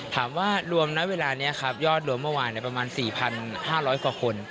ถามว่ารวมนะเวลานี้ครับยอดรวมเมื่อวานประมาณ๔๕๐๐กว่าคน